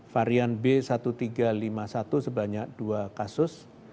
varian b satu tiga lima satu sebanyak dua kasus